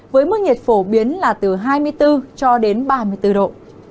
với mức nhiệt phổ biến là từ hai mươi bốn cho đến ba mươi bốn độ